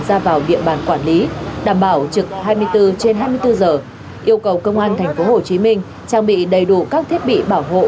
ra vào địa bàn quản lý đảm bảo trực hai mươi bốn trên hai mươi bốn giờ yêu cầu công an tp hcm trang bị đầy đủ các thiết bị bảo hộ